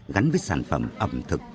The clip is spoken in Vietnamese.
gắn với sản phẩm ẩm thực